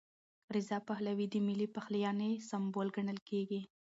رضا پهلوي د ملي پخلاینې سمبول ګڼل کېږي.